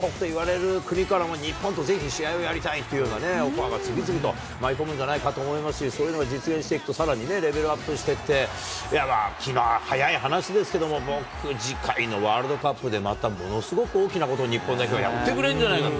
サッカー日本代表、国際試合６連勝中ということでね、今後おそらく強豪国といわれる国からも日本とぜひ試合をやりたいというようなオファーが次々と舞い込むんじゃないかと思いますし、そういうのを実現していくとさらにレベルアップしていって、気の早い話ですけど、僕、次回のワールドカップでまたものすごく大きなことを日本代表はやってくれるんじゃないかと。